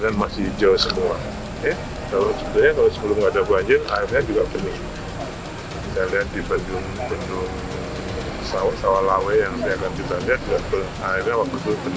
nah pasti catchmentnya masih baik